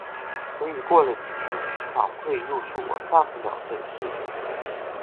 所以过了几天，掌柜又说我干不了这事。